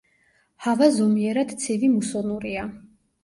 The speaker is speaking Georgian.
ჰავა ზომიერად ცივი მუსონურია.